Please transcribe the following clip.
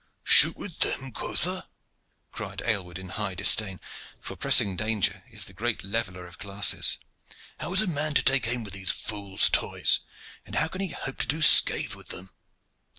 "Shoot with them, quotha?" cried Aylward in high disdain, for pressing danger is the great leveller of classes. "How is a man to take aim with these fool's toys, and how can he hope to do scath with them?"